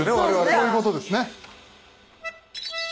そういうことですね。